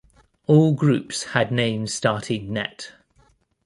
All groups had names starting net.